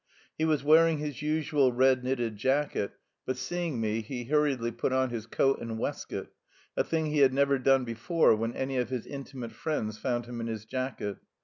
He was wearing his usual red knitted jacket, but seeing me, he hurriedly put on his coat and waistcoat a thing he had never done before when any of his intimate friends found him in his jacket.